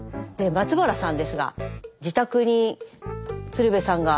松原さんですが自宅に鶴瓶さんが。